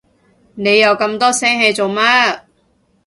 你又咁多聲氣做乜？